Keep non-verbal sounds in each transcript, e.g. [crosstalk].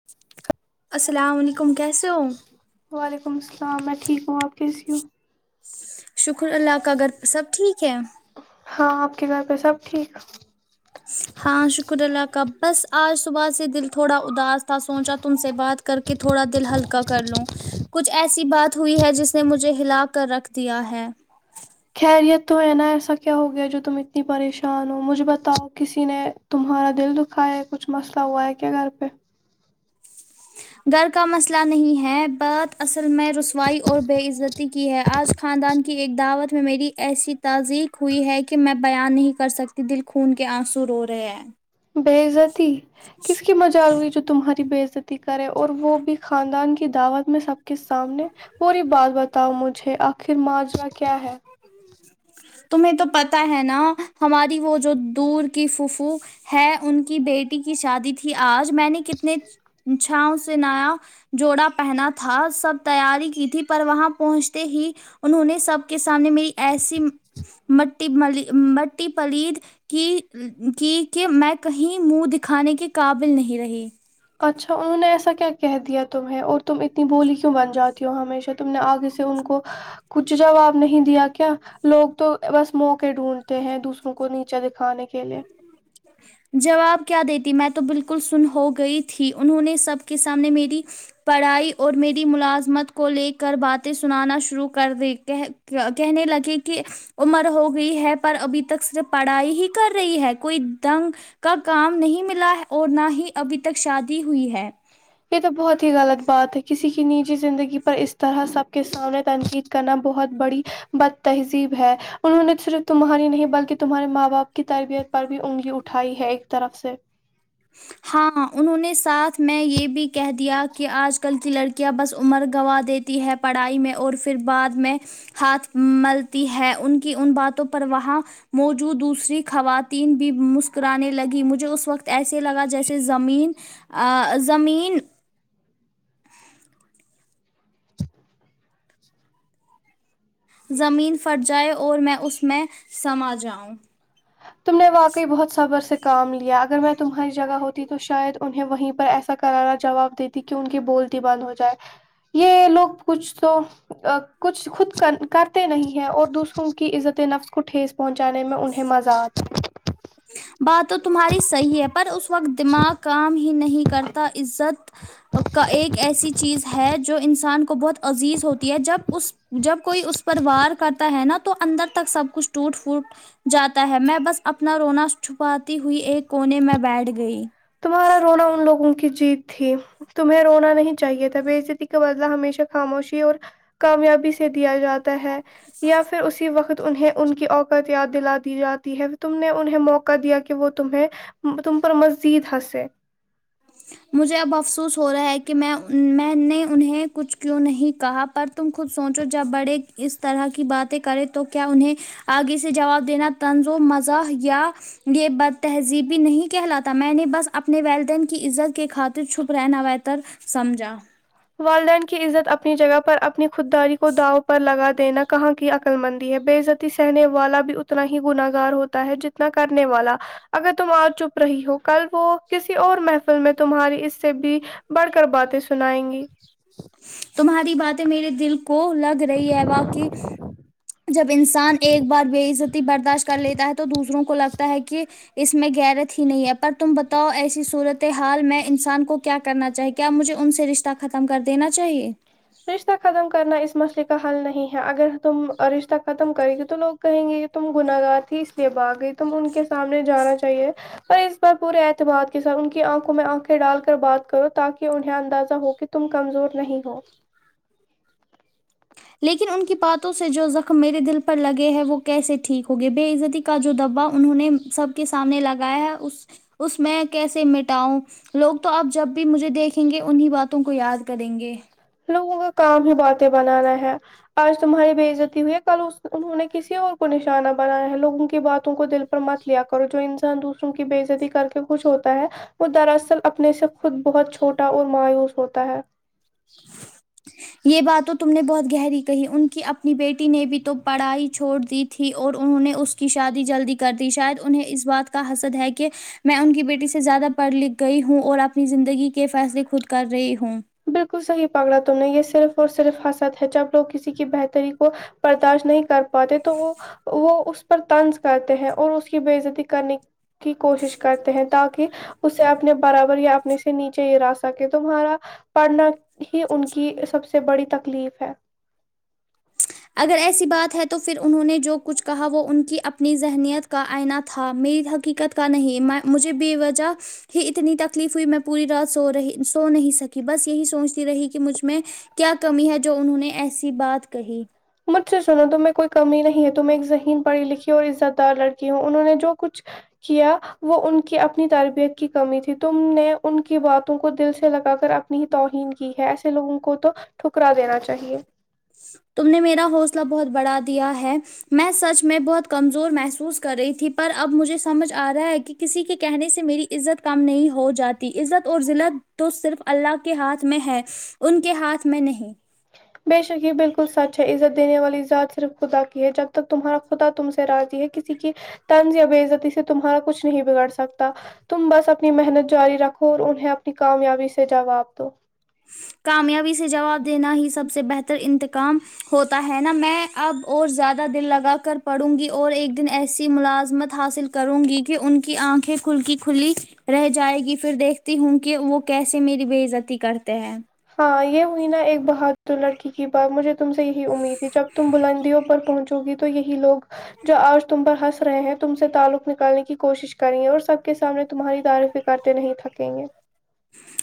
[inaudible] السلام علیکم کیسے ہو وعلیکم السلام میں ٹھیک ہوں آپ کیسی ہو شکر اللہ کا گھر پہ سب ٹھیک ہے ہاں آپ کے گھر پہ سب ٹھیک ہاں شکر اللہ کا بس آج صبح سے دل تھوڑا اداس تھا سوچا تم سے بات کر کے تھوڑا دل ہلکا کرلوں کچھ ایسی بات ہوئی ہے جس نے مجھے ہلا کر رکھ دیا ہے خیریت تو ہے نا ایسا کیا ہو گیا جو تم اتنی پریشان ہو مجھے بتاؤ کسی نے تمہارا دل دکھا ہے کچھ مسئلہ ہوا ہے کیا گھر پہ گھر کا مسئلہ نہیں ہے بٹ اصل میں رسوائی اور بے عزتی کی ہے آج خاندان کی ایک دعوت میں میری ایسی تعازیق ہوئی ہے کہ میں بیان نہیں کر سکتی دل خون کے آنسو رو رہے ہیں بیعزتی کس کی مجال ہوئی جو تمہاری بیعزتی کرے اور وہ بھی خاندان کی دعوت میں سب کے سامنے پوری بات بتاؤ مجھے آخر ماجرا کیا ہے تمہیں تو پتا ہے نا ہماری وہ جو دور کی فوفو ہے ان کی بیٹی کی شادی تھی آج میں نے کتنے چھاؤں سے نایا جوڑا پہنا تھا سب تیاری کی تھی پر وہاں پہنچتے ہی انہوں نے سب کے سامنے میری ایسی م م مٹی ملی مٹی پلید کہ کی کہ میں کہیں منہ دکھانے کے قابل نہیں رہی اچھا انہوں ایسا کیا کہہ دیا تمہیں اور تم اتنی بھولی کیوں بن جاتی ہو ہمیشہ تم نے آگے سے ان کو کچھ جواب نہیں دیا کیا لوگ تو بس موقعے ڈھونڈتے ہیں دوسروں کو نیچے دکھانے کے لیے [inaudible] جواب کیا دیتی میں تو بالکل سن ہو گئی تھی انہوں نے سب کے سامنے میری پڑھائی اور میری ملازمت کو لے کر باتیں سنانا شروع کر دے کہہ کہنے لگے کہ عمر ہو گئی ہے پر ابھی تک صرف پڑھائی ہی کر رہی ہے کوئی دنگ کا کام نہیں ملا ہے اور نہ ہی ابھی تک شادی ہوئی ہے یہ تو بہت ہی غلط بات ہے کسی کی نجی زندگی پر اس طرح سب کے سامنے تنقید کرنا بہت بڑی بد تہذیب ہے انہوں نے صرف تمہاری نہیں بلکہ تمہارے ماں باپ کی تربیت پر بھی انگی اٹھائی ہے ایک طرف سے ہاں انہوں نے ساتھ میں یہ بھی کہہ دیا کہ آج کل کی لڑکیاں بس عمر گوا دے تی ہے پڑھائی میں اور پھر بعد میں ہاتھ ملتی ہے ان کی ان باتوں پر وہاں موجود دوسری خواتین بھی مسکرانے لگی مجھے اس وقت ایسے لگا جیسے زمین آ زمین زمین پھٹ جائے اور میں اس میں سما جاؤں تم نے واقعی بہت صبر سے کام لیا اگر میں تمہاری جگہ ہوتی تو شاید انہیں وہیں پر ایسا کرارا جواب دیتی کہ ان کی بولتی بند ہو جائے یہ لوگ کچھ تو کچھ خود کرتے نہیں ہے اور دوسر روں کی عزت نفس کو ٹھیس پہنچانے میں انہیں مزہ آ بات تو تمہاری صحیح ہے پر اس وقت دماغ کام ہی نہیں کرتا عزت کا ایک ایسی چیز ہے جو انسان کو بہت عزیز ہوتی ہے جب اس جب کوئی اس پر وار کرتا ہے نا تو اندر تک سب کچھ ٹوٹ پھوٹ جاتا ہے میں بس اپنا رونا چھپاتی ہوئی ایک کونے میں بیٹھ گئی تمہارا رونا ان لوگوں کی جیت تھی تمہیں رونا نہیں چاہیے تھا بعزتی کا بدلہ ہمیشہ خاموشی اور کامیابی سے دیا جاتا ہے یا پھر اسی وقت تو انہیں ان کی اوقت یاد دلا دی جاتی ہے تم نے انہیں موقع دیا کہ وہ تمہیں تم پر مذید ہنسیں مجھے اب افسوس ہو رہا ہے کہ میں میں نے انہیں کچھ کیوں نہیں کہا پر تم خود سوچو جب بڑے اس طرح کی باتیں کریں تو کیا انہیں آگے سے جواب دینا تنظم مزاح یا یہ بد تہذیبی نہیں کہلاتا میں نے بس اپنے ولدین کے کی عزت کی خاطر چھپ رہناویتر سمجھا والدین کی عزت اپنی جگہ پر اپنی خود داری کو داو پر لگا دینا کہاں کی عقلمندی ہے بے عزتی سہنے والا بھی اتنا ہی گناہگار ہوتا ہے جتنا کرنے والا اگر تم اج چپ رہی ہو کل وہ کسی اور محفل میں تمہاری اس سے بھی بڑھ کر باتیں سنائیں گی تمہاری باتیں میرے دل کو لگ رہی ہے واقعی جب انسان ایک بار بےعزتی برداشت کر لیتا ہے تو دوسروں کو لگتا ہے کہ اس میں گیرت ہی نہیں ہے پر تم بتاؤ ایسی صورت حال میں انسان کو کیا کرنا چاہیے کیا مجھے ان سے رشتہ ختم کر دینا چاہیے رشتہ ختم کرنا اس مسئلے کا حل نہیں ہے اگر تم رشتہ ختم کرے گی تو لوگ کہیں گے یہ تم گنہگار تھی اس لیے با گئی تم ان کے سامنے جانا چاہیے پر اس بار پورے اعتماد کے ساتھ ان کی آنکھوں میں آنکھیں ڈال کر بات کرو تاکہ انہیں اندازہ ہو کہ تم کمزور نہیں ہو لیکن ان کی باتوں سے جو زخم میرے دل پر لگے ہیں وہ کیسے ٹھیک ہو گئے بےعزتی کا جو دبا انہوں نے سب کے سامنے لگایا ہے اس اس میں کیسے مٹاؤ لوگ تو آب جب بھی مجھے دیکھیں گے انہیں باتوں کو یاد کریں گے لوگوں کا کام ہی باتیں بنانا ہے آج تمہاری بے عزتی ہوئی ہے کل انہوں نے کسی اور کو نشانہ بنایا ہے لوگوں کی باتوں کو دل مت لیا کرو جو انسان دوسروں کی بےعزتی کر کے خوش ہوتا ہے وہ دراصل اپنے سے خود بہت چھوٹا اور مایوس ہوتا ہے یہ بات تو تم نے بہت گہری کہی ان کی اپنی بیٹی نے بھی تو پڑھائی چھوڑ دی تھی اور انہوں نے اس کی شادی جلدی کر دی شاید انہیں اس بات کا حسد ہے کہ میں ان کی بیٹی سے زیادہ پڑھ لکھ گئی ہوں اور اپنی زندگی کے فیصلے خود کر رہی ہوں بالکل صحیح پکڑا تمنے یہ صرف اور صرف حسد ہے جب لوگ کسی کی بہتری کو برداشت نہیں کر پاتے تو وہ وہ اس پر طنز کرتے ہیں اور اس کی بے عزتی کرنے کی کوشش کرتے ہیں تاکہ اس سے اپنے برابر یا اپنے سے نیچے گرا سکے تمہارا پڑھنا ہی ان کی سب سے بڑی تکلیف ہے اگر ایسی بات ہے تو پھر انہوں نے جو کچھ کہا وہ ان کی اپنی ذہنیت کا آئنا تھا میری حقیقت کا نہیں میں مجھے بے وجہ ہی اتنی تکلیف ہوئی میں پوری رات سو رہی سو نہیں سکی بس یہی سوچتی رہی کہ مجھ میں کیا کمی ہے جو انہوں نے ایسی بات کہی مجھ سے سنو تم میں کوئی کمی نہیں ہے تم ایک ذہین پڑھی لکھی اور عزت دار لڑکی ہوں انہوں نے جو کچھ کیا وہ ان کی اپنی تربیت کی کمی تھی تم نے ان کی باتوں کو دل سے لگا کر اب نی توہین کی ہے ایسے لوگوں کو تو ٹھکرا دینا چاہیے تم نے میرا حوصلہ بہت بڑا دیا ہے میں سچ میں بہت کمزور محسوس کر رہی تھی پر اب مجھے سمجھ آ رہا ہے کہ کسی کے کہنے سے میری عزت کم نہیں ہو جاتی عزت اور ذلت تو صرف اللہ کے ہاتھ میں ہے ان کے ہاتھ میں نہیں بے شک یہ بالکل سچ ہے عزت دینے والی ذات صرف خدا کی ہے جب تک تمہارا خدا تم سے راضی ہے کسی کی طنز یا بےعزتی سے تمہارا کچھ نہیں بگاڑ سکتا تم بس اپنی محنت جاری رکھو اور انہیں اپنی کامیابی سے جواب دو کامیابی سے جواب دینا ہی سب سے بہتر انتقام ہوتا ہے نا میں اب اور زیادہ دل لگا کر پڑھوں گی اور ایک دن ایسی ملازمت حاصل کروں گی کہ ان کی آنکھیں کھل کی کھلی رہ جائے گی پھر دیکھتی ہوں کہ وہ کیسے میری بےعزتی کرتے ہیں ہاں یہ ہوئی نہ ایک بہادر لڑکی حبا مجھے تم سے یہی امید تھی جب تم بلندیوں پر پہنچو گی تو یہی لوگ جو آج تم پر ہنس رہے ہیں تم سے تعلق نکالنے کی کوشش کریں گے اور سب کے سامنے تمہاری تعریفی کرتے نہیں تھکیں گے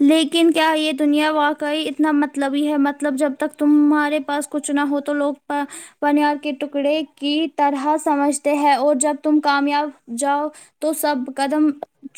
لیکن کیا یہ دنیا واقعی اتنا مطلبی ہے مطلب جب تک تمہارے پاس کچھ نہ ہو تو لوگ پ پنیار کے ٹکڑے کی طرح سمجھتے ہیں اور جب تم کامیاب جاؤ تو سب قدم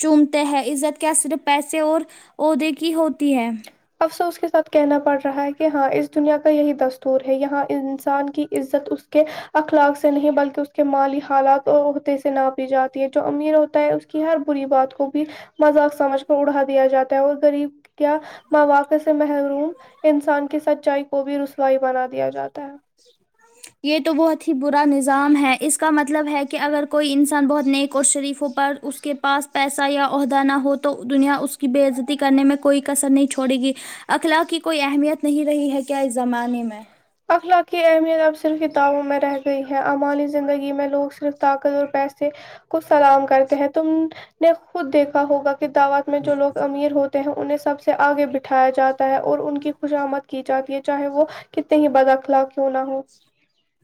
چومتے ہیں عزت کیا صرف پیسے اور عہدے کی ہوتی ہے افسوس کے ساتھ کہنا پڑ رہا ہے کہ ہاں اس دنیا کا یہی دستور ہے یہاں انسان کی عزت اس کے اخلاق سے نہیں بلکہ اس کے مالی حالات اور عہدے سے ناپی جاتی ہے جو امیر ہوتا ہے کہ ہر بری بات کو بھی مذاق سمجھ کر اڑا دیا جاتا ہے اور غریب کیا مواقع سے محروم انسان کی سچائی کو بھی رسوائی بنا دیا جاتا ہے [inaudible] یہ تو بہت ہی برا نظام ہے اس کا مطلب ہے کہ اگر کوئی انسان بہت نیک اور شریفوں پر اس کے پاس پیسہ یا عہدہ نہ ہو تو دنیا اس کی بے عزتی کرنے میں کوئی کسر نہیں چھوڑے گی اخلاق کی کوئی اہمیت نہیں رہی ہے کیا اس زمانے میں اخلاق کی اہمیت اب صرف کتابوں میں رہ گئی ہے عمالی زندگی میں لوگ صرف طاقت اور پیسے کو سلام کرتے ہیں تم نے خود دیکھا ہوگا دعوت میں جو لوگ امیر ہوتے ہیں انہیں سب سے آگے بٹھایا جاتا ہے اور ان کی خوش آمد کی جاتی ہے چاہے وہ کتنے ہی بداخلاق کیوں نہ ہو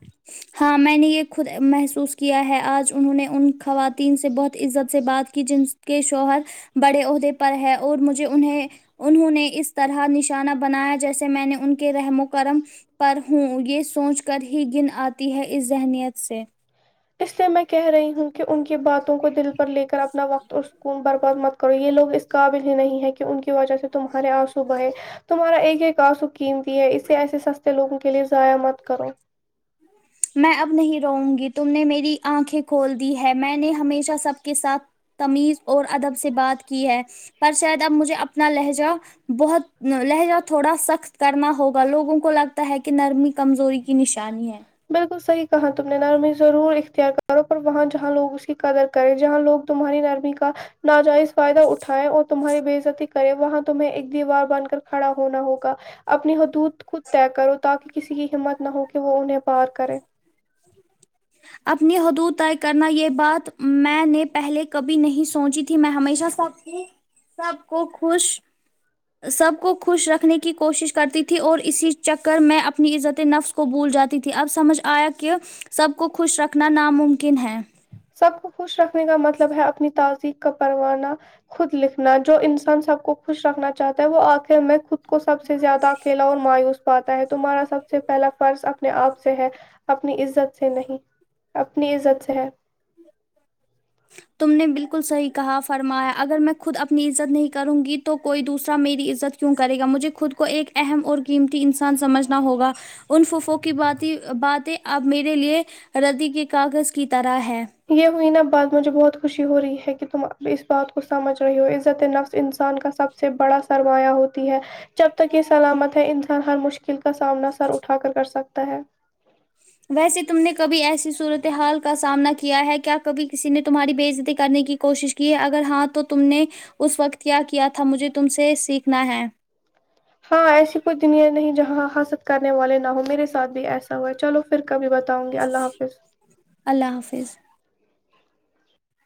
[inaudible] ہاں میں نے یہ خود محسوس کیا ہے آج انہوں نے ان خواتین سے بہت عزت سے بات کی جن کے شوہر بڑے عہدے پر ہے اور مجھے انہیں انہوں نے اس طرح نشانہ بنایا جیسے میں نے ان کے رحم و کرم پر ہوں یہ سوچ کر ہی گن آتی ہے اس ذہنیت سے اس لیے میں کہہ رہی ہوں کہ ان کی باتوں کو دل پر لے کر اپنا وقت اور سکون برباد مت کرو یہ لوگ اس قابل ہی نہیں ہے کہ ان کی وجہ سے تمہارے آنسو بہہ تمہارا ایک ایک کا آنسو قیمتی ہے اسے ایسے سستے لوگوں کے لیے ضائع مت کرو میں اب نہیں رو گی تم نے میری آنکھیں کھول دی ہے میں نے ہمیشہ سب کے ساتھ تمیز اور ادب سے بات کی ہے پر شاید اب مجھے اپنا لہجہ بہت ن لہجہ تھوڑا سخت کرنا ہوگا لوگوں کو لگتا ہے کہ نرمی کمزوری کی نشانی ہے بالکل صحیح کہا تم نے نرمی ضرور اختیار کرو پر وہاں جہاں لوگ اس کی قدر کر جہاں لوگ تمہاری نرمی کا ناجائز فائدہ اٹھائے اور تمہاری بے عزتی کرے وہاں تمہیں ایک دیوار بن کر کھڑا ہونا ہوگا اپنی حدود خود طے کرو تاکہ کسی کی ہمت نہ ہو کہ وہ انہیں پار کرے اپنی حدود طے کرنا یہ بات میں نے پہلے کبھی نہیں سوچی تھی میں ہمیشہ س سب کو خوش سب کو خوش رکھنے کی کوشش کرتی تھی اور اسی چکر میں اپنی عزتیں نفس کو بھول جاتی تھی اب سمجھ آیا کہ سب کو خوش رکھنا ناممکن ہے سب کو خوش رکھنے کا مطلب ہے اپنی تعازی کا پروانا خود لکھنا جو انسان سب کو خوش رکھنا چاہتا ہے وہ آخر میں خود کو سب سے زیادہ اکیلا ان مایوس پاتا ہے تمہارا سب سے پہلا فرض اپنے آپ سے ہے اپنی عزت سے نہیں اپنی عزت سے ہے [unintelligible] تم نے بالکل صحیح کہا فرمایا اگر میں خود اپنی عزت نہیں کروں گی تو کوئی دوسرا میری عزت کیوں کرے گا مجھے خود کو ایک اہم اور قیمتی انسان سمجھنا ہوگا ان ففو کی بات باتیں اب میرے لیے ردی کے کاغذ کی طرح ہے یہ ہوئی نہ بات مجھے بہت خوشی ہو رہی ہے کہ تم اب اس بات کو سمجھ رہے ہو عزت نفس انسان کا سب سے بڑا سرمایہ ہوتی ہے جب تک یہ سلامت ہے انسان ہر مش کل کا سامنا سر اٹھا کر سکتا ہے ویسے تم نے کبھی ایسی صورتحال کا سامنا کیا ہے کیا کبھی کسی نے تمہاری بےعزتی کرنے کی کوشش کہ اگر ہاں تو تم نے اس وقت کیا کیا تھا مجھے تم سے سیکھنا ہے ہاں ایسی کوئی دنیا نہیں جہاں حسد کرنے والے نہ ہوں میرے ساتھ بھی ایسا ہو ہے چلو پھر کبھی بتاؤں گی اللہ حافظ اللہ حافظ